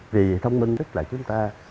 vì thông minh tức là chúng ta